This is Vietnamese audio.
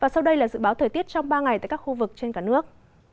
sau đây là dự báo thời tiết trong ba ngày tại các khu vực trên cả nước